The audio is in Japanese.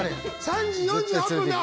３時４８分な。